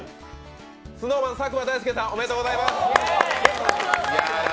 ＳｎｏｗＭａｎ・佐久間大介さんおめでとうございます。